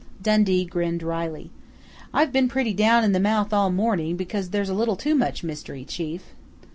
Dundee grinned wryly. "I've been pretty down in the mouth all morning because there's a little too much mystery, chief."